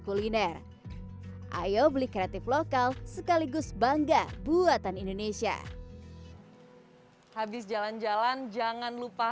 kuliner ayo beli kreatif lokal sekaligus bangga buatan indonesia habis jalan jalan jangan lupa